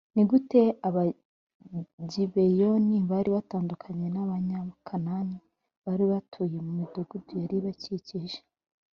Ni gute Abagibeyoni bari batandukanye n Abanyakanaani bari batuye mu midugudu yari ibakikije